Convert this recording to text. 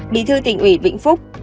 bi thư tỉnh uỷ vĩnh phúc